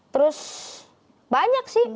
terus banyak sih